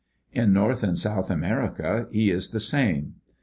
In North and South America he is the same.